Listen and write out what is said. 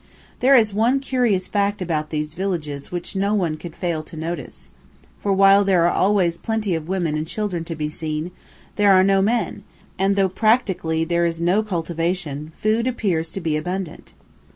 There is one curious fact about these villages which no one could fail to notice, for while there are always plenty of women and children to be seen, there are no men, and though practically there is no cultivation, food appears to be abundant!